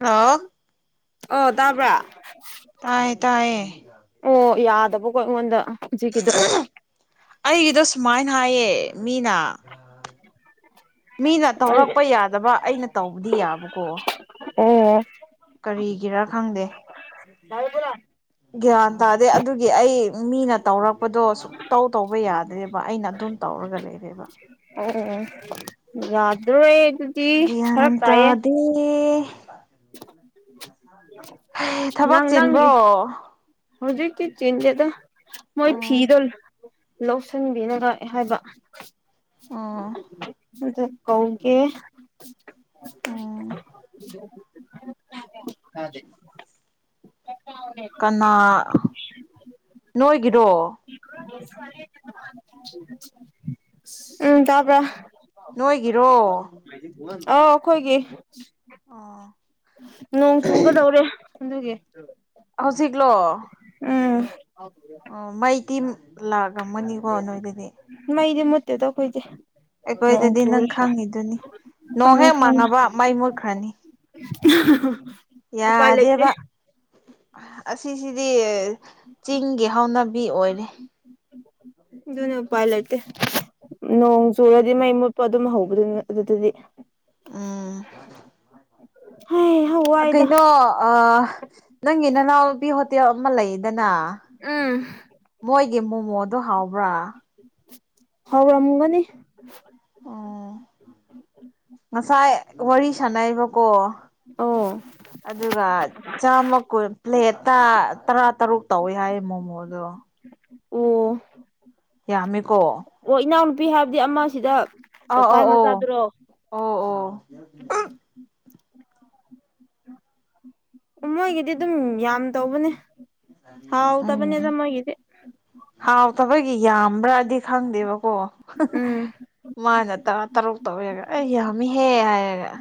hello ꯑꯣ ꯇꯥꯕ꯭ꯔꯥ ꯇꯥꯏꯌꯦ ꯇꯥꯏꯌꯦ ꯑꯣ ꯌꯥꯗꯕꯀꯣ ꯑꯩꯉꯣꯟꯗ ꯍꯧꯖꯤꯛꯀꯤꯗꯣ ꯑꯩꯒꯤꯗꯣ ꯁꯨꯃꯥꯏꯅ ꯍꯥꯏꯌꯦ ꯃꯤꯅ ꯃꯤꯅ ꯇꯧꯔꯛꯄ ꯌꯥꯗꯕ ꯑꯩꯅ ꯇꯧꯕꯗꯤ ꯌꯥꯕꯀꯣ ꯑꯣ ꯀꯔꯤꯒꯤꯔꯥ ꯈꯪꯗꯦ ꯑꯣ ꯒ꯭ꯌꯥꯟ ꯇꯥꯗꯦ ꯑꯗꯨꯒꯤ ꯑꯩ ꯃꯤꯅ ꯇꯧꯔꯛꯄꯗꯣ ꯁꯨꯛꯇꯧ ꯇꯧꯕ ꯌꯥꯗ꯭ꯔꯦꯕ ꯑꯩꯅ ꯑꯗꯨꯝ ꯇꯧꯔꯒ ꯂꯩꯔꯦꯕ ꯑꯣ ꯌꯥꯗ꯭ꯔꯣꯏ ꯑꯗꯨꯗꯤ ꯐꯔꯛ ꯇꯥꯏꯌꯦ ꯏꯪꯉꯦ ꯊꯕꯛ ꯅꯪ ꯆꯤꯟꯕ꯭ꯔꯣ ꯅꯪꯒꯤ ꯍꯧꯖꯤꯛꯇꯤ ꯆꯤꯟꯖꯦꯗ ꯃꯣꯏ ꯎꯝ ꯐꯤꯗꫭ ꯂꯧꯁꯟꯕꯤꯅꯅꯕ ꯍꯥꯏꯕ ꯎꯝ ꯅꯠꯇꯦ ꯀꯧꯒꯦ ꯎꯝ [unintelligible] ꯗꯗꯤ [unintelligible] ꯀꯅꯥ ꯅꯣꯏꯒꯤꯔꯣ ꯎꯝ ꯇꯥꯕꯔꯥ ꯅꯣꯏꯒꯤꯔꯣ ꯑꯧ ꯑꯩꯈꯣꯏꯒꯤ ꯑꯣ ꯅꯣꯡ ꯆꯨꯒꯗꯧꯔꯦ ꯑꯗꯨꯒꯤ ꯍꯧꯖꯤꯛꯂꯣ ꯎꯝ ꯑꯣ ꯃꯩꯗꯤ ꯂꯥꯛꯑꯝꯃꯅꯤꯀꯣ ꯅꯣꯏꯗꯗꯤ ꯃꯩꯗꯤ ꯃꯨꯠꯇꯦꯗꯥ ꯑꯈꯣꯏꯗꯤ ꯑꯩꯈꯣꯏꯗꯗꯤ ꯅꯪ ꯈꯪꯉꯤꯗꯨꯅꯤ ꯅꯣꯡ ꯈꯪꯉꯦ ꯍꯦꯛ ꯈꯪꯉꯦ ꯃꯪꯉꯕ ꯃꯩ ꯃꯨꯠꯈ꯭ꯔꯅꯤ [unintelligible] ꯎꯄꯥꯏ ꯂꯩꯇꯦ ꯌꯥꯗꯦꯕ ꯑꯁꯤꯁꯤꯗꯤ ꯆꯤꯡꯒꯤ ꯍꯧꯅꯕꯤ ꯑꯣꯏꯔꯦ ꯑꯗꯨꯅꯤ ꯎꯄꯥꯏ ꯂꯩꯇꯦ ꯅꯣꯡ ꯆꯨꯔꯗꯤ ꯃꯩ ꯃꯨꯠꯄ ꯑꯗꯨꯝ ꯍꯧꯕꯅꯤ ꯑꯗꯨꯗꯗꯤ ꯎꯝ ꯍꯩ ꯍꯩ ꯌꯥ ꯑ ꯀꯩꯅꯣ ꯅꯪꯒꯤ ꯅꯅꯥꯎ ꯅꯨꯄꯤ ꯍꯣꯇꯦꯜ ꯑꯃ ꯂꯩꯗꯅ ꯎꯝ ꯃꯣꯏꯒꯤ ꯃꯣꯃꯣꯗꯣ ꯍꯥꯎꯕ꯭ꯔꯥ ꯍꯥꯎꯔꯝꯒꯅꯤ ꯑꯣ ꯉꯁꯥꯏ ꯋꯥꯔꯤ ꯁꯥꯟꯅꯩꯕꯀꯣ ꯑꯣ ꯑꯗꯨꯒ ꯆꯥꯝꯃ ꯀꯨꯟ ꯄ꯭ꯂꯦꯠꯇ ꯇꯔꯥ ꯇꯔꯨꯛ ꯇꯧꯋꯤ ꯍꯥꯏꯌꯦ ꯃꯣꯃꯣꯗꯣ ꯑꯣ ꯌꯥꯝꯃꯤꯀꯣ ꯑꯣ ꯏꯅꯥꯎꯅꯨꯄꯤ ꯍꯥꯏꯕꯗꯤ ꯑꯃꯁꯤꯗ ꯑ ꯑ ꯀꯀꯥꯏ ꯑꯣ ꯃꯆꯥꯗꯨꯔꯣ ꯑꯣ ꯑꯣ ꯃꯣꯏꯒꯤꯗꯤ ꯑꯗꯨꯝ ꯌꯥꯝ ꯇꯧꯕꯅꯦ ꯑ ꯍꯥꯎꯇꯕꯅꯦꯗ ꯃꯣꯏꯒꯤꯗꯤ ꯍꯥꯎꯇꯕꯒꯤ ꯌꯥꯝꯕ꯭ꯔꯥꯗꯤ ꯈꯪꯗꯦꯕꯀꯣ ꯎꯝ ꯃꯥꯅ ꯇꯔꯥ ꯇꯔꯨꯛ ꯇꯧꯋꯦꯒ ꯑꯩ ꯌꯥꯝꯃꯤꯍꯦ ꯍꯥꯏꯔꯒ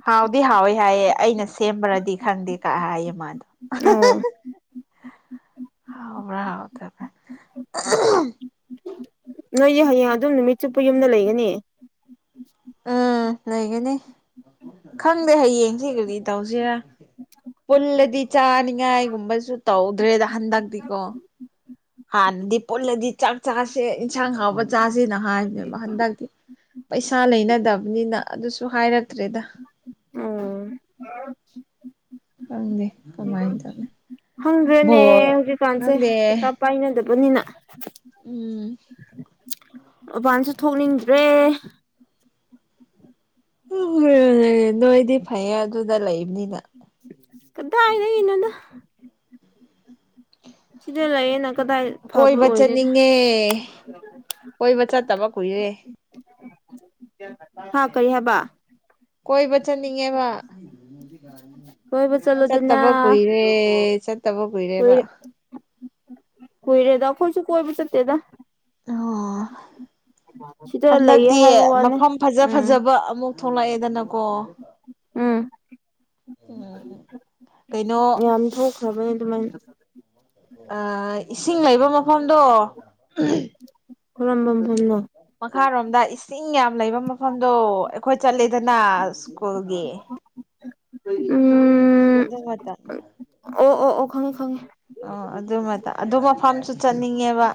ꯍꯥꯎꯗꯤ ꯍꯥꯎꯋꯦ ꯍꯥꯏꯌꯦ ꯑꯩꯅ ꯁꯦꯝꯕ꯭ꯔꯗꯤ ꯈꯪꯗꯦ ꯀꯛ ꯍꯥꯏꯌꯦ ꯃꯥꯗꯣ ꯑꯣ [unintelligible] ꯍꯥꯎꯕ꯭ꯔꯥ ꯍꯥꯎꯇꯔꯕ ꯅꯣꯏꯗꯤ ꯍꯌꯦꯡ ꯑꯗꯨꯝ ꯅꯨꯃꯤꯠ ꯆꯨꯞꯄ ꯌꯨꯝꯗ ꯂꯩꯒꯅꯤ ꯎꯝ ꯂꯩꯒꯅꯤ ꯈꯪꯗꯦ ꯍꯌꯦꯡꯁꯤ ꯀꯔꯤ ꯇꯧꯁꯤꯔꯥ ꯄꯨꯜꯂꯗꯤ ꯆꯥꯅꯤꯉꯥꯏꯒꯨꯝꯕꯁꯨ ꯇꯧꯗ꯭ꯔꯦꯗ ꯍꯟꯗꯛꯇꯤꯀꯣ ꯍꯥꯟꯅꯗꯤ ꯄꯨꯜꯂꯗꯤ ꯆꯥꯛ ꯆꯥꯁꯦ ꯏꯟꯁꯥꯡ ꯍꯥꯎꯕ ꯆꯥꯁꯦꯅ ꯍꯥꯏꯕꯅꯦꯕ ꯍꯟꯗꯛꯇꯤ ꯄꯩꯁꯥ ꯂꯩꯅꯗꯕꯅꯤꯅ ꯑꯗꯨꯁꯨ ꯍꯥꯏꯔꯛꯇ꯭ꯔꯦꯗ ꯑꯣ ꯈꯪꯗꯦ ꯀꯃꯥꯏ ꯇꯧꯅꯤ ꯍꯪꯗ꯭ꯔꯅꯦ ꯕꯣꯜ ꯍꯧꯖꯤꯛꯀꯥꯟꯁꯦ ꯅꯪꯗꯦ ꯄꯩꯁꯥ ꯄꯥꯏꯅꯗꯕꯅꯤꯅ ꯎꯝ ꯃꯕꯥꯥꯟꯁꯨ ꯊꯣꯛꯅꯤꯡꯗ꯭ꯔꯦ ꯎꯝ ꯅꯣꯏꯗꯤ ꯐꯩꯌꯦ ꯑꯗꯨꯗ ꯂꯩꯕꯅꯤꯅ ꯀꯗꯥ ꯑꯅ ꯏꯅꯥꯅ ꯁꯤꯗ ꯂꯩꯌꯦꯅ ꯀꯗꯥꯏ ꯐꯕ ꯀꯣꯏꯕ ꯑꯣꯏꯔꯦꯗ ꯆꯠꯅꯤꯡꯉꯦ ꯀꯣꯏꯕ ꯆꯠꯇꯕ ꯀꯨꯏꯔꯦ ꯍꯥ ꯀꯔꯤ ꯍꯥꯏꯕ ꯀꯣꯏꯕ ꯆꯠꯅꯤꯡꯉꯦꯕ ꯀꯣꯏꯕ ꯆꯠꯂꯨꯗꯅ ꯆꯠꯇꯕ ꯀꯨꯏꯔꯦ ꯆꯠꯇꯕ ꯀꯨꯏꯔꯦꯕ ꯀꯏꯔꯦꯗ ꯈꯣꯏꯁꯨ ꯀꯣꯏꯔꯕ ꯆꯠꯇꯦꯗ ꯑꯣ ꯁꯤꯗ ꯂꯩꯌꯦ ꯍꯟꯗꯛꯇꯤ ꯍꯥꯏꯕ ꯋꯥꯅꯦ ꯃꯐꯝ ꯐꯖ ꯎꯝ ꯐꯖꯕ ꯑꯃꯨꯛ ꯊꯣꯛꯂꯛꯑꯦꯗꯅꯀꯣ ꯎꯝ ꯎꯝ ꯀꯩꯅꯣ ꯌꯥꯝ ꯊꯣꯛꯈ꯭ꯔꯕꯅꯦ ꯑꯗꯨꯃꯥꯏꯅ ꯑ ꯏꯁꯤꯡ ꯂꯩꯕ ꯃꯐꯝꯗꯣ ꯀꯔꯝꯕ ꯃꯐꯝꯅꯣ ꯃꯈꯥꯔꯣꯝꯗ ꯏꯁꯤꯡ ꯌꯥꯝ ꯂꯩꯕ ꯃꯐꯝꯗꯣ ꯑꯩꯈꯣꯏ ꯆꯠꯂꯦꯗꯅ ꯁ꯭ꯀꯨꯜꯒꯤ ꯎꯝ ꯑꯗꯨꯗꯣ ꯃ ꯇ [inaudible] ꯑꯣ ꯑꯣ ꯑꯣ ꯈꯪꯉꯦ ꯈꯪꯉꯦ ꯑꯣ ꯑꯗꯨꯃ ꯑꯗꯨ ꯃꯐꯝꯁꯨ ꯆꯠꯅꯤꯡꯉꯦꯕ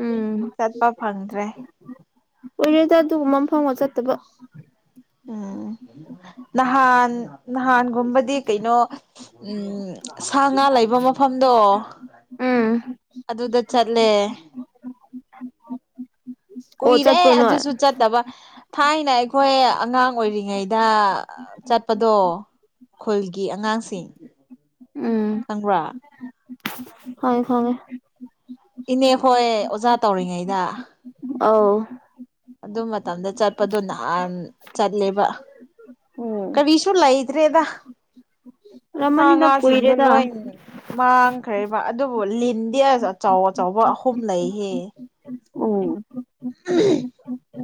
ꯎꯝ ꯐ ꯐꯪꯗ꯭ꯔꯦ ꯀꯨꯏꯔꯦꯗ ꯑꯗꯨꯒꯨꯝꯕ ꯑꯃ ꯐꯪꯉ ꯆꯠꯇꯕ ꯎ ꯎꯝ [unintelligible] ꯅꯍꯥꯟ ꯅꯍꯥꯟꯒꯨꯝꯕꯗꯤ ꯀꯩꯅꯣ ꯎꯝ ꯁꯥ ꯉꯥ ꯂꯩꯕ ꯃꯐꯝꯗꯣ ꯎꯝ ꯑꯗꯨꯗ ꯆꯠꯂꯦ ꯑꯣ ꯀꯨꯏꯔꯦ ꯆꯠꯄ꯭ꯔꯣ ꯅꯣꯏ ꯑꯗꯨꯁꯨ ꯆꯠꯇꯕ ꯊꯥꯏꯅ ꯑꯩꯈꯣꯏ ꯑꯉꯥꯡ ꯑꯣꯏꯔꯤꯉꯩꯗ ꯆꯠꯄꯗꯣ ꯈꯨꯜꯒꯤ ꯑꯉꯥꯡꯁꯤꯡ ꯎꯝ ꯈꯪꯕ꯭ꯔꯥ ꯈꯪꯉꯦ ꯈꯪꯉꯦ ꯏꯅꯦ ꯍꯣꯏ ꯑꯣꯖꯥ ꯇꯧꯔꯤꯉꯩꯗ ꯑꯥꯎ ꯑꯗꯨ ꯃꯇꯝꯗ ꯆꯠꯄꯗꯣ ꯅꯍꯥꯟ ꯆꯠꯂꯦꯕ ꯎꯝ ꯀꯔꯤꯁꯨ ꯂꯩꯇ꯭ꯔꯦꯗ ꯁꯥ ꯔꯃꯅꯤꯗ ꯉꯥꯁꯤꯡꯗꯣ ꯀꯨꯏꯔꯦꯗ ꯂꯣꯏ ꯃꯥꯡꯈ꯭ꯔꯦꯕ ꯑꯗꯨꯕꯨ ꯂꯤꯟꯗꯤ ꯑꯁ ꯑꯆꯧ ꯑꯆꯕ ꯑꯍꯨꯝ ꯂꯩꯍꯦ ꯑꯣ ꯎꯝ [inaudible]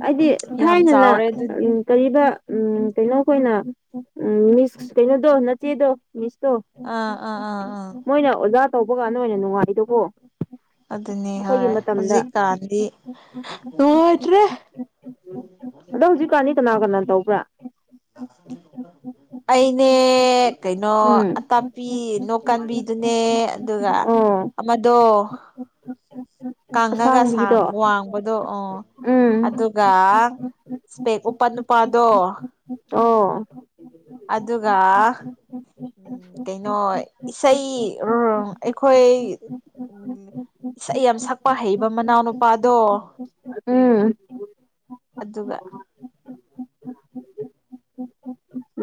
ꯍꯥꯏꯗꯤ ꯊꯥꯏꯅꯂ ꯑꯗꯨꯗꯤ ꯎꯝ ꯀꯔꯤꯕ ꯎ ꯀꯩꯅꯣ ꯑꯩꯈꯣꯏꯅ ꯎ ꯃꯤꯁ ꯀꯩꯅꯣꯗꯣ ꯅꯆꯦꯗꯣ ꯃꯤꯁꯇꯣ ꯑꯥ ꯑꯥ ꯑꯥ ꯑꯥ ꯃꯣꯏꯅ ꯑꯣꯖꯥ ꯇꯧꯕꯒꯥꯟꯗ ꯑꯣꯏꯅ ꯅꯨꯡꯉꯥꯏꯗꯒꯣ ꯑꯗꯨꯅꯤ ꯍꯣꯏ ꯍꯧꯖꯤꯛꯀꯥꯟꯗꯤ ꯅꯨꯡꯉꯣꯏꯇ꯭ꯔꯦ ꯑꯗꯣ ꯍꯧꯖꯤꯛꯀꯥꯟꯅꯤ ꯀꯅꯥ ꯀꯅꯥ ꯇꯧꯕ꯭ꯔꯥ ꯂꯥꯛ [unintelligible] ꯑꯩꯅꯦ ꯀꯩꯅꯣ ꯎꯝ ꯑꯇꯞꯄꯤ ꯅꯣꯡꯀꯥꯟꯕꯤꯗꯨꯅꯦ ꯑꯗꯨꯒ ꯑꯃꯗꯣ ꯎꯝ ꯎꯝ ꯎꯝ [inaudible] ꯀꯪꯉꯒꯥꯡ ꯋꯥꯡꯕꯗꯣ ꯑꯣ ꯎꯝ ꯑꯗꯨ ꯉ ꯏꯁꯄꯦꯛ ꯎꯄꯟ ꯅꯨꯄꯥꯗꯣ ꯑꯣ ꯑꯗꯨꯒꯒ ꯎꯝ ꯀꯩꯅꯣ ꯏꯁꯩ ꯑꯩꯈꯣꯏ ꯏꯁꯩ ꯌꯥꯝ ꯁꯛꯄ ꯍꯩꯕ ꯃꯅꯥꯎ ꯅꯨꯄꯥꯗꯣ ꯎꯝ ꯑꯗꯨꯒ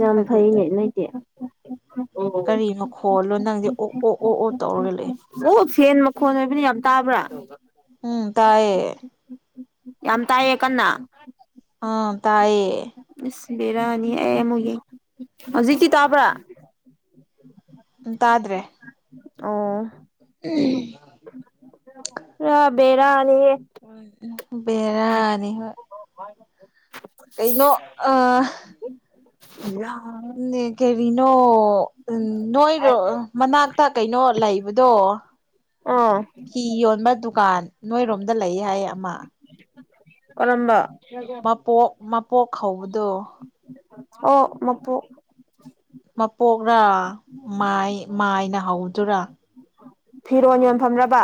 ꯌꯥꯝ ꯑꯗꯨꯗ ꯐꯩꯅꯦ ꯅꯣꯏꯇꯦ ꯀꯔꯤ ꯃꯈꯣꯜꯂꯣ ꯅꯪꯗꯤ ꯑꯣꯛ ꯑꯣꯛ ꯑꯣꯛ ꯑꯣꯛ ꯇꯧꯔꯒ ꯂꯩ ꯑꯣ ꯐꯦꯟ ꯃꯈꯣꯟ ꯑꯣꯏꯕꯅ ꯌꯥꯝ ꯇꯥꯕ꯭ꯔꯥ ꯎꯝ ꯇꯑꯌꯦ ꯌꯥꯝ ꯇꯥꯏꯌꯦ ꯀꯟꯅ ꯑꯥ ꯇꯥꯏꯌꯦ ꯏꯁ ꯕꯤꯔꯥꯅꯤ ꯑꯩ ꯑꯃꯨꯛ ꯌꯦꯡ ꯍꯧꯖꯤꯛꯇꯤ ꯇꯥꯕ꯭ꯔꯥ ꯎ ꯇꯥꯗ꯭ꯔꯦ ꯑꯣ ꯎꯝ ꯑꯕꯦꯔꯅꯤꯦ ꯕꯦꯔꯥꯅꯤ ꯍꯣꯏ ꯀꯩꯅꯩꯅꯣ ꯑ ꯌꯥ ꯎꯝ ꯀꯦꯔꯤꯅꯣ ꯎꯝ ꯅꯣꯏꯔꯣ ꯃꯅꯥꯛꯇ ꯀꯩꯅꯣ ꯂꯩꯕꯗꯣ ꯑ ꯐꯤ ꯌꯣꯟꯕ ꯗꯨꯀꯥꯟ ꯅꯣꯏꯔꯣꯝꯗ ꯂꯩ ꯍꯥꯏꯌꯦ ꯑꯃ ꯑꯣꯔꯝꯕ ꯃꯄꯣꯛ ꯃꯄꯣꯛ ꯍꯧꯕꯗꯣ ꯑꯣ ꯃꯄꯨ ꯃꯄꯣꯛꯔꯥ ꯃꯥꯏꯅ ꯍꯧꯗꯨꯔꯥ ꯐꯤꯔꯣꯟ ꯌꯣꯟꯐꯝꯕ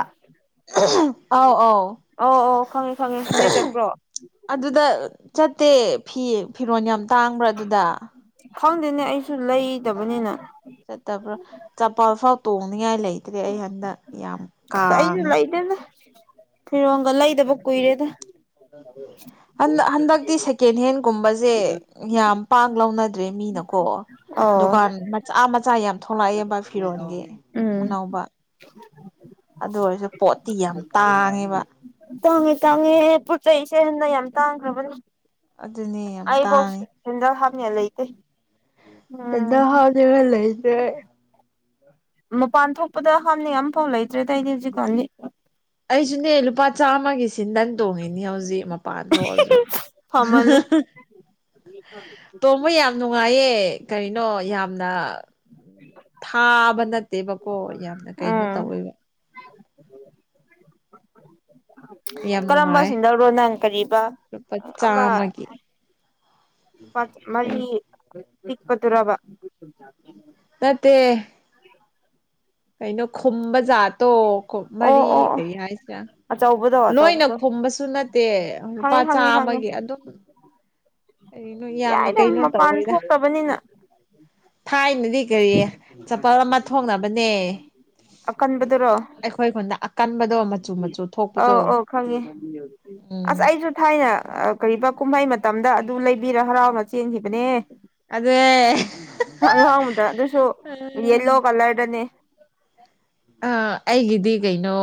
ꯑꯥꯎ ꯑꯥꯎ ꯑꯣ ꯑꯣ ꯈꯪꯉꯤ ꯈꯪꯉꯤ ꯅ ꯆꯠꯄ꯭ꯔꯣ ꯑꯗꯨꯗ ꯆꯠꯇꯦ ꯐꯤ ꯐꯤꯔꯣꯜ ꯌꯥꯝ ꯇꯥꯡꯕ꯭ꯔꯥ ꯑꯗꯨꯗ ꯈꯪꯗꯦꯅꯦ ꯑꯩꯁꯨ ꯂꯩꯗꯕꯅꯤꯅ ꯆꯠꯇꯕ꯭ꯔꯥ ꯆꯄ ꯐꯥꯎ ꯇꯣꯡꯅꯤꯡꯉꯥꯏ ꯂꯩꯇ꯭ꯔꯦ ꯑꯩ ꯍꯟꯗꯛ ꯌꯥꯝ ꯑꯩꯁꯨ ꯀꯥꯡꯉꯦ ꯂꯩꯗꯦꯗ ꯐꯤꯔꯣꯒ ꯂꯩꯗꯕ ꯀꯨꯏꯔꯦꯗ [inaudible] ꯍꯟ ꯍꯟꯗꯛꯇꯤ ꯁꯦꯀꯦꯟ ꯍꯦꯟꯒꯨꯝꯕꯁꯦ ꯌꯥꯝ ꯄꯥꯡ ꯂꯧꯅꯗ꯭ꯔꯦ ꯃꯤꯅꯀꯣ ꯑꯣ ꯗꯨꯀꯥꯟ ꯃꯆꯥ ꯃꯆꯥ ꯌꯥꯝ ꯊꯣꯛꯂꯛꯑꯦꯕ ꯐꯤꯔꯣꯟꯒꯤ ꯎꯝ ꯑꯅꯧꯕ ꯑꯗꯨ ꯑꯣꯏꯔꯁꯨ ꯄꯣꯠꯇꯤ ꯌꯥꯝ ꯇꯥꯡꯉꯦꯕ ꯇꯥꯡꯉꯤ ꯇꯥꯡꯉꯦ ꯄꯣꯠ ꯆꯩꯩꯁꯦ ꯍꯟꯗ ꯌꯥꯝ ꯇꯥꯡꯈ꯭ꯔꯕꯅꯦ ꯑꯗꯨꯅꯦ ꯌꯥꯝ ꯑꯩ ꯇꯥꯡꯉꯦ ꯄꯣꯠꯁꯦ ꯍꯦꯟꯖꯜ ꯍꯥꯅꯦ ꯂꯩꯇꯦ ꯇꯗꯣ ꯎꯝ ꯍꯥꯎꯖ ꯂꯩꯖꯦ ꯃꯄꯥꯟ ꯊꯣꯛꯄꯗ ꯍꯥꯅꯤꯡ ꯑꯃꯐꯥꯎ ꯂꯩꯇ꯭ꯔꯦꯗꯏꯗꯤ ꯍꯧꯖꯤꯛꯀꯥꯟꯗꯤ ꯑꯩꯁꯨꯅꯦ ꯂꯨꯄꯥ ꯆꯥꯝꯃꯒꯤ ꯁꯤꯟꯗꯟ ꯇꯣꯡꯉꯤꯅꯤ ꯍꯧꯖꯤꯛ ꯄꯥꯊꯖꯣꯟ ꯐꯃꯜꯂꯦ ꯇꯣꯝꯕ ꯌꯥꯝ ꯅꯨꯡꯉꯥꯏꯌꯦ ꯀꯔꯤꯅꯣ ꯌꯥꯝꯅ ꯊꯥꯕ ꯅꯠꯇꯦꯕꯀꯣ ꯌꯥꯝꯅ ꯀꯩꯅꯣ ꯎꯝ ꯇꯧꯋꯦꯕ ꯌꯥꯝ ꯀꯔꯝꯕ ꯅꯨꯡꯉꯥꯏ ꯁꯤꯗꯧꯔꯣ ꯅꯪ ꯀꯔꯤꯕ ꯂꯨꯄꯥ ꯑꯃ ꯆꯥꯝꯃꯒꯤ ꯄ ꯃ ꯏꯄꯠꯇꯔꯕ ꯅꯠꯇꯦ ꯀꯩꯅꯣ ꯈꯨꯝꯕ ꯖꯥꯠꯇꯣ ꯃꯔꯤ ꯀꯔꯤ ꯍꯥꯏꯁꯤꯔꯥ ꯑꯆꯧꯕꯗ‌ꯣ ꯂꯣꯏꯅ ꯈꯣꯨꯝꯕꯁꯨ ꯅꯠꯇꯦ ꯂꯨꯄꯥ ꯈꯪꯉꯦ ꯈꯪꯉꯦ ꯈꯪꯉꯦ ꯆꯥꯃꯒꯤ ꯑꯗꯨꯝ ꯀꯅꯣ ꯌꯥꯝꯅ ꯌꯥꯏꯗ ꯀꯩꯅꯣ ꯃꯄꯥꯟ ꯇꯧꯋ‌ꯦꯗ ꯊꯣꯛꯇꯕꯅꯤꯅ ꯊꯥꯏꯅꯗꯤ ꯀꯔꯤ ꯆꯄꯜ ꯑꯃ ꯊꯣꯛꯅꯕꯅꯦ ꯀꯟꯕꯗꯨꯔꯣ ꯑꯩꯈꯣꯏ ꯈꯨꯟꯗ ꯑꯀꯟꯕꯗꯣ ꯃꯆꯨ ꯃꯆꯨ ꯑ‌ꯣ ꯊꯣꯛꯄꯗꯣ ꯑ‌‌ꯣ ꯈꯪꯉꯦ ꯑꯁ ꯎꯝ ꯑꯩꯖꯨ ꯊꯥꯏꯅ ꯀꯔꯤꯕ ꯀꯨꯝꯍꯩ ꯃꯇꯝꯗ ꯑꯗꯨ ꯂꯩꯕꯤꯔ ꯍꯔꯥꯎꯔ ꯆꯦꯟꯈꯤꯕꯅꯦ ꯑꯗꯨ ꯑꯍꯥꯡꯕꯗ ꯑꯗꯨꯁꯨ ꯌꯦꯂꯣ ꯀꯂꯔꯗꯅꯦ ꯑ ꯑꯩꯒꯤꯗꯤ ꯀꯩꯅꯣ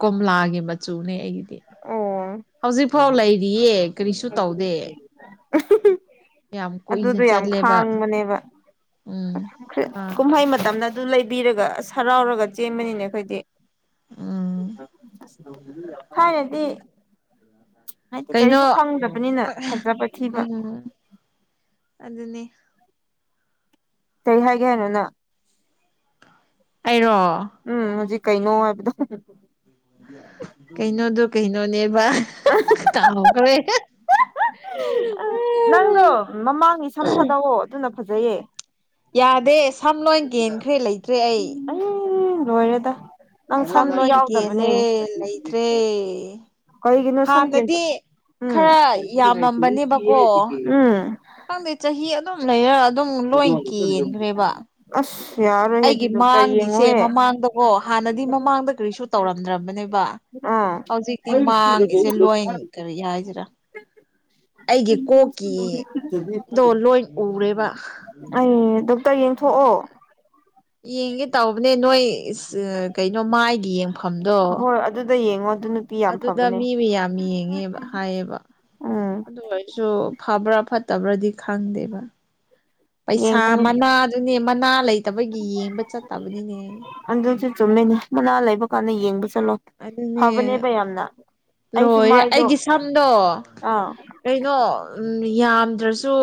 ꯀꯣꯝꯂꯥꯒꯤ ꯃꯆꯨꯅꯦ ꯑꯩꯒꯤ ꯑꯣ ꯍꯧꯖꯤꯛꯐꯥꯎ ꯂꯩꯔꯤꯌꯦ ꯀꯔꯤꯁꯨ ꯇꯧꯗꯦ [unintelligible] ꯌꯥꯝ ꯀꯨꯏꯅ ꯑꯗꯨꯗꯣ ꯌꯥꯝ ꯆꯠꯂꯦꯕ ꯈꯥꯡꯕꯅꯦꯕ ꯎꯝ ꯑ ꯈꯥꯡ ꯀꯨꯝꯍꯩ ꯃꯇꯝꯅ ꯑꯗꯨ ꯂꯩꯕꯤꯔꯒ ꯑꯁ ꯍꯔꯥꯎꯔꯒ ꯆꯦꯟꯕꯅꯤꯅꯦ ꯑꯩꯈꯣꯏꯗꯤ ꯎꯝ ꯊꯥꯏꯅꯗꯤ ꯍꯥꯏꯗꯤ ꯀꯩꯅꯣ ꯀꯔꯤꯁꯨ ꯈꯪꯗꯕꯅꯤꯅ ꯐꯖꯕ ꯊꯤꯕ ꯎꯝ ꯑꯗꯨꯅꯦ ꯀꯔꯤ ꯍꯥꯏꯒꯦ ꯍꯥꯏꯅꯣꯅ ꯑꯩꯔꯣ ꯎꯝ ꯍꯧꯖꯤꯛ ꯀꯩꯅꯣ ꯍꯥꯏꯕꯗꯣ ꯀꯩꯅꯣꯗ‌ꯣ ꯀꯩꯅ‌ꯣꯅꯦꯕ ꯀꯥꯎꯒꯔ‌ꯦ ꯅꯪꯗꯣ ꯃꯃꯥꯡꯒꯤ ꯁꯝ ꯊꯥꯗꯧꯑꯣ ꯑꯗꯨꯅ ꯐꯖꯩꯌꯦ ꯌꯥꯗꯦ ꯁꯝ ꯂꯣꯏ ꯀꯦꯟꯈ꯭ꯔꯦ ꯂꯩꯇ꯭ꯔꯦ ꯑꯩ ꯑꯌꯥ ꯌꯥ ꯌꯥ ꯌ ꯂꯣꯏꯔꯦꯗ ꯅꯪ ꯁꯝ ꯁꯝꯗꯤ ꯂꯣꯏ ꯀꯦꯜꯂꯦ ꯌꯥꯎꯗꯕꯅꯦ ꯂꯩꯇ꯭ꯔꯦ ꯀꯒꯤ ꯅ‌ꯣ ꯁꯝ ꯀ‌ꯦꯟ ꯍꯥꯟꯅꯗꯤ ꯈꯔ ꯌꯥꯝꯃꯝꯕꯅꯦꯕꯀꯣ ꯎꯝ ꯈꯪꯗꯦ ꯆꯍꯤ ꯑꯗꯨꯝ ꯂꯩꯔ ꯑꯗꯨꯝ ꯂꯣꯏ ꯀꯦꯟꯒ꯭ꯔꯦꯕ ꯑꯁ ꯌꯥꯔꯣꯏꯍꯦ ꯑꯗꯨ ꯑꯩꯒꯤ ꯗꯣꯛꯇꯔ ꯃꯥꯡꯒꯤꯁꯦ ꯌꯦꯡꯉꯣꯍꯦ ꯃꯃꯥꯡꯗꯀꯣ ꯍꯥꯟꯅꯗꯤ ꯃꯃꯥꯡꯗ ꯀꯔꯤꯁꯨ ꯇꯧꯔꯝꯗ꯭ꯔꯕꯅꯦꯕ ꯑꯥ ꯍꯧꯖꯤꯛꯇꯤ ꯃꯥꯡꯒꯤꯁꯦ ꯂꯣꯏ ꯀꯔꯤ ꯍꯥꯏꯁꯤꯔꯥ ꯑꯩꯒꯤ ꯀꯣꯛꯀꯤꯗꯣ ꯂꯣꯏ ꯎꯔꯦꯕ ꯑꯩ ꯗꯣꯛꯇꯔ ꯌꯦꯡꯊꯣꯛꯑꯣ ꯌꯦꯡꯒꯦ ꯇꯧꯕꯅꯦ ꯅꯣꯏ ꯏꯁ ꯀꯩꯅꯣ ꯃꯥꯏꯒꯤ ꯌꯦꯡꯐꯝꯗꯣ ꯍ‌ꯣꯏ ꯑꯗꯨꯗ ꯌꯦꯡꯉꯣ ꯑꯗꯨ ꯅꯨꯄꯤ ꯌꯥꯝ ꯑꯗꯨꯗ ꯐꯕꯅꯦ ꯃꯤ ꯃꯌꯥꯝ ꯌꯦꯡꯉꯦꯕ ꯍꯥꯏꯌꯦꯕ ꯎꯝ ꯑꯗꯨ ꯑꯣꯏꯔꯁꯨ ꯐꯕ꯭ꯔꯥ ꯐꯠꯇꯕ꯭ꯔꯥꯗꯤ ꯈꯪꯗꯦꯕ ꯄꯩꯁꯥ ꯌꯦꯡꯕꯅꯦ ꯃꯅꯥꯗꯨꯅꯦ ꯃꯅꯥ ꯂꯩꯇꯕꯒꯤ ꯌꯦꯡꯕ ꯆꯠꯇꯕꯅꯤꯅꯦ ꯑꯗꯨꯖꯨ ꯆꯨꯝꯃꯤꯅꯦ ꯃꯅꯥ ꯂꯩꯕ ꯀꯥꯟꯗ ꯌꯦꯡꯕ ꯆꯠꯂꯣ ꯑꯗꯨꯅꯦ ꯐꯕꯅꯦꯕ ꯌꯥꯝꯅ ꯑꯩꯁꯨ ꯂꯣꯏꯔꯦ ꯃꯥꯏꯗꯣ ꯑꯩꯒꯤ ꯁꯝꯗꯣ ꯑꯥ ꯀꯩꯅꯣ ꯎꯝ ꯌꯥꯝꯗ꯭ꯔꯁꯨ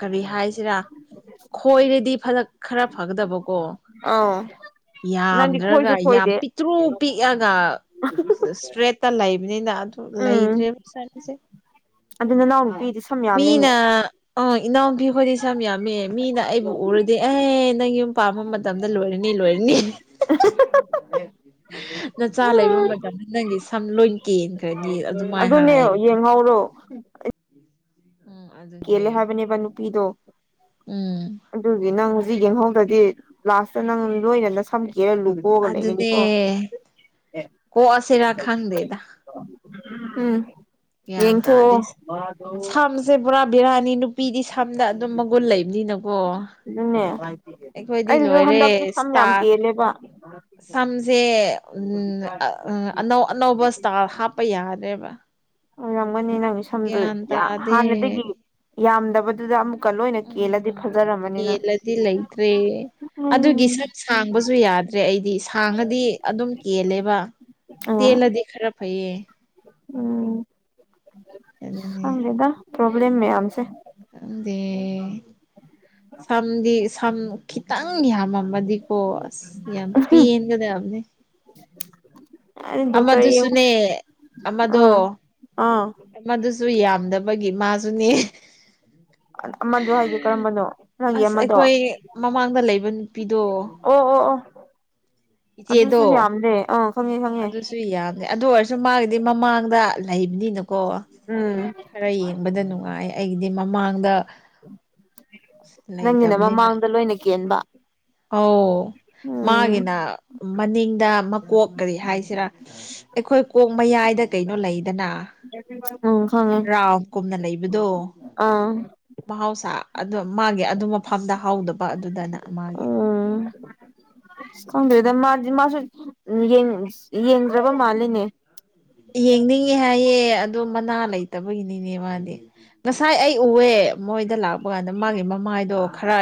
ꯀꯔꯤ ꯍꯥꯏꯁꯤꯔꯥ ꯈꯣꯏꯔꯗꯤ ꯐꯔꯛ ꯈꯔ ꯐꯒꯗꯕꯀꯣ ꯑꯥꯎ ꯅꯪꯗꯤ ꯌꯥꯝꯗ꯭ꯔꯒ ꯈꯣꯏꯁꯨ ꯌꯥꯝ ꯈꯣꯏꯗꯦ ꯄꯤꯛ ꯇ꯭ꯔꯨ ꯄꯤꯛꯑꯒ ꯏꯁꯇ꯭ꯔꯦꯠꯇ ꯂꯩꯕꯅꯤꯅ ꯑꯗꯨ ꯎꯝ ꯂꯩꯗ꯭ꯔꯦꯕ ꯆꯟꯁꯦ ꯑꯗꯨ ꯅꯅꯥꯎꯅꯨꯄꯤꯗꯨꯁꯨ ꯃꯤꯅ ꯑ ꯏꯅꯥꯎꯄꯤ ꯍꫭꯏꯗꯤ ꯁꯝ ꯌꯥꯝꯃꯦ ꯃꯤꯅ ꯑꯩꯕꯨ ꯎꯔꯗꯤ ꯑꯦ ꯅꯪ ꯌꯨꯝ ꯄꯥꯝꯕ ꯃꯇꯝꯗ ꯂꯣꯏꯔꯅꯤ ꯂꯣꯏꯔꯅꯤ ꯅꯆꯥ ꯂꯩꯕ ꯃꯇꯝꯗ ꯅꯪꯒꯤ ꯁꯝ ꯂꯣꯏ ꯀꯦꯟꯈ꯭ꯔꯅꯤ [unintelligible] ꯑꯗꯨꯃꯥꯏꯅ ꯑꯗꯨꯅꯦ ꯍꯥꯏꯌꯦꯕ ꯌꯦꯡꯍꯧꯔꯣ ꯎꯝ ꯑꯗꯨꯅꯦ ꯀꯦꯜꯂꯦ ꯍꯥꯏꯕꯅꯦꯕ ꯅꯨꯄꯤꯗꯣ ꯎꯝ ꯑꯗꯨꯒꯤ ꯅꯪ ꯍꯧꯖꯤꯛ ꯌꯦꯡꯍꯧꯗ꯭ꯔꯗꯤ ꯂꯥꯁꯇ ꯅꯪ ꯂꯣꯏꯅ ꯅꯁꯝ ꯀꯦꯟ ꯂꯨ ꯀꫭꯛꯑꯒ ꯑꯗꯨꯅꯦ ꯂꯩꯒꯅꯤꯀꫭ ꯀꯣꯛꯑꯁꯤꯔꯥ ꯈꯪꯗꯦꯗ ꯎꯝ ꯌꯦꯡꯊꯣꯛꯑꫭ ꯁꯦ ꯕꯣꯔꯥ ꯕꯤꯔꯥꯅꯤ ꯅꯨꯄꯤꯗꯤ ꯁꯝꯗ ꯑꯗꯨꯝ ꯃꯒꯨꯟ ꯂꯩꯕꯅꯤꯅꯀꯣ ꯑꯩꯈꯣꯏꯗꯤ ꯑꯩꯁꯨ ꯂꯣꯏꯔꯦ ꯍꯟꯗꯛꯇꯤ ꯁꯝ ꯏꯁꯇꯥ ꯌꯥꯝ ꯀꯦꯜꯂꯦꯕ ꯁꯝꯁꯦ ꯑꯅꯧ ꯑꯅꯧꯕ ꯏꯁꯇꯥꯜ ꯍꯥꯞꯄ ꯌꯥꯗ꯭ꯔꯦꯕ ꯔꯝꯒꯅꯤ ꯅꯪ ꯁꯝꯗꯨ ꯒ꯭ꯌꯥꯟ ꯇꯥꯗꯦ ꯍꯥꯟꯅꯗꯒꯤ ꯌꯥꯝꯗꯕꯗꯨꯗ ꯑꯃꯨꯛ ꯀꯦꯜꯂꯗꯤ ꯂꯩꯇ꯭ꯔꯦ ꯎꯝ ꯑꯗꯨꯒꯤ ꯍꯥꯡꯕꯁꯨ ꯌꯥꯗ꯭ꯔꯦ ꯑꯩꯗꯤ ꯊꯥꯡꯉꯗꯤ ꯑꯗꯨꯝ ꯀꯦꯜꯂꯦꯕ ꯑ ꯇꯦꯜꯂꯗꯤ ꯈꯔ ꯐꯩꯌꯦ ꯎꯝ ꯑꯗꯨꯅꯦ ꯈꯪꯗꯦꯗ ꯄ꯭ꯔꯣꯕ꯭ꯂꯦꯝ ꯃꯌꯥꯝꯁꯦ ꯗꯦ ꯁꯝꯗꯤ ꯁꯝ ꯈꯤꯇꯪ ꯅꯪ ꯌꯥꯝꯃꯝꯃꯗꯤꯀꯣ ꯑꯁ ꯌꯥꯝ ꯄꯦꯟꯒꯗꯕꯅꯤ [unintelligible] ꯑꯩ ꯗꯣꯛꯇꯔ ꯌꯦꯡꯉꯨ ꯑꯃꯗꯨꯁꯨꯅꯦ ꯑꯃꯗꯣ ꯑꯥ ꯑꯥ ꯃꯗꯨꯁꯨ ꯌꯥꯝꯗꯕꯒꯤ ꯃꯥꯁꯨꯅꯦ [unintelligible] ꯑꯃꯗꯨ ꯍꯥꯏꯗꯤ ꯀꯔꯝꯕꯅꯣ ꯅꯪꯒꯤ ꯑꯁ ꯑꯃꯗꯣ ꯑꯣ ꯑꯩꯈꯣꯏ ꯃꯃꯥꯡꯗ ꯂꯩꯕ ꯅꯨꯄꯤꯗꯣ ꯑꯣ ꯑꯣ ꯑꯗꯨꯁꯨ ꯏꯆꯦꯗꯣ ꯌꯥꯝꯗꯦ ꯑꯥ ꯈꯪꯉꯦ ꯈꯪꯉꯦ ꯑꯗꯨꯁꯨ ꯌꯥꯝꯅꯦ ꯑꯗꯨ ꯑꯣꯏꯔꯁꯨ ꯃꯥꯒꯤꯗꯤ ꯃꯃꯥꯡꯗ ꯂꯩꯕꯅꯤꯅꯀꯣ ꯎꯝ ꯈꯔ ꯌꯦꯡꯕꯗ ꯅꯨꯡꯉꯥꯏ ꯑꯩꯒꯤꯗꯤ ꯃꯃꯥꯡꯗ ꯅꯪꯒꯤꯅ ꯂꯩꯇꯕ ꯃꯃꯥꯡꯗ ꯂꯣꯏꯅ ꯀꯦꯟꯕ ꯑꯧ ꯎꯝ ꯃꯥꯒꯤꯅ ꯃꯅꯤꯡꯗ ꯃꯀꯣꯛ ꯀꯔꯤ ꯍꯥꯏꯁꯤꯔꯥ ꯑꯩꯈꯣꯏ ꯀꯣꯛ ꯃꯌꯥꯏꯗ ꯀꯩꯅꯣ ꯂꯩꯗꯅ ꯎꯝ ꯈꯪꯉꯦ ꯔꯥꯎ ꯀꯨꯝꯅ ꯂꯩꯕꯗꯣ ꯑꯥ ꯃꯍꯧꯁꯥ ꯑꯗꯨ ꯃꯥꯒꯤ ꯑꯗꯨ ꯃꯐꯝꯗ ꯍꯥꯎꯗꯕ ꯑꯗꯨꯗꯅ ꯃꯥꯒꯤ ꯎꯝ ꯈꯪꯗꯦꯗ ꯃꯥꯗꯤ ꯃꯥꯁꯨ ꯌꯦꯡꯗ꯭ꯔꯕ ꯃꯥꯜꯂꯤꯅꯦ ꯌꯦꯡꯅꯤꯡꯉꯦ ꯍꯥꯏꯌꯦ ꯑꯗꯣ ꯃꯅꯥ ꯂꯩꯇꯕꯒꯤꯅꯤꯅꯦ ꯃꯥꯗꯤ ꯉꯁꯥꯏ ꯑꯩ ꯎꯑꯦ ꯃꯣꯏꯗ ꯂꯥꯛꯄ ꯀꯥꯟꯗ ꯃꯥꯒꯤ ꯃꯃꯥꯏꯗꯣ ꯈꯔ